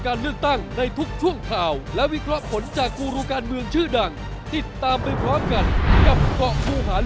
การเลือกตั้ง๖๖อาทิตย์ที่๑๔พฤษภาคม